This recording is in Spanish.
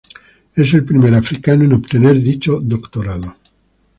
Es el primer africano en obtener dicho doctorado.